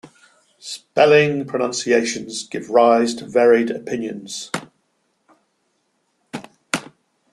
Spelling pronunciations give rise to varied opinions.